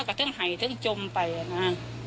กระทั่งหายทั้งจมไปนะ